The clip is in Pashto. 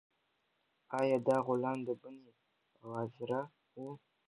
آیا دا غلام د بني غاضرة و؟